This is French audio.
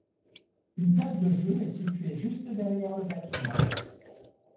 Une place de jeux est située juste derrière le bâtiment.